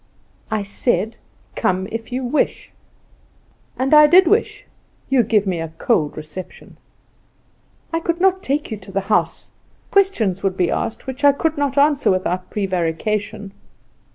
"I said, 'Come if you wish.'" "And I did wish. You give me a cold reception." "I could not take you to the house. Questions would be asked which I could not answer without prevarication."